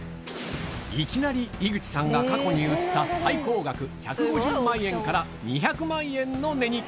いきなり井口さんが過去に売った最高額１５０万円から２００万円の値に２００！